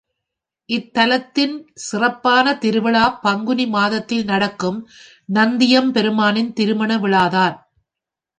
இத்தலத்தின் சிறப்பான திருவிழா பங்குனி மாதத்தில் நடக்கும் நந்தியம் பெருமானின் திருமண விழாதான்.